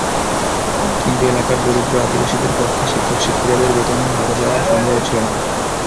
কিন্তু এলাকার দরিদ্র আদিবাসীদের পক্ষে শিক্ষক-শিক্ষিকাদের বেতন-ভাতা দেওয়া সম্ভব হচ্ছিল না।